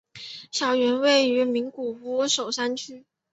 校园位于名古屋市守山区。